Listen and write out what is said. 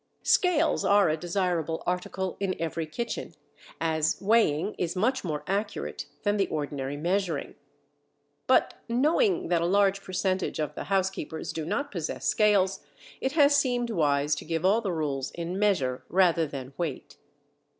Scales are a desirable article in every kitchen, as weighing is much more accurate than the ordinary measuring. But, knowing that a large percentage of the housekeepers do not possess scales, it has seemed wise to give all the rules in measure rather than weight.